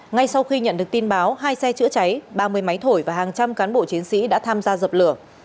ngay sau khi nhận được tin báo hai xe chữa cháy ba mươi máy thổi và hàng trăm cán bộ chiến sĩ đã tham gia dập lửa